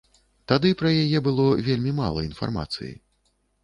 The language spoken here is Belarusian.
Тады пра яе было вельмі мала інфармацыі.